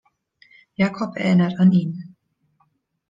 Jakob erinnert an ihn.